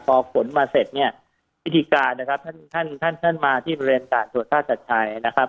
พอขนมาเสร็จเนี่ยพิธีการนะครับท่านท่านมาที่บริเวณด่านตรวจท่าจัดชัยนะครับ